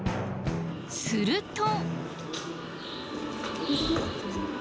すると。